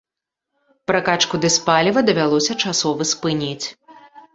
Пракачку дызпаліва давялося часова спыніць.